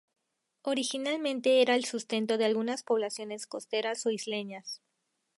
Originariamente era el sustento de algunas poblaciones costeras o isleñas.